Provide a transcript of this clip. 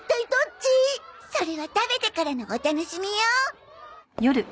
それは食べてからのお楽しみよ。